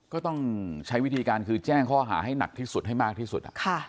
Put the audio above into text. ก็ต้องใช้วิธีการคือแจ้งข้อหาให้หนักที่สุดให้มากที่สุด